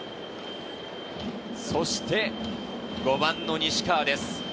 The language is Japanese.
そして５番の西川です。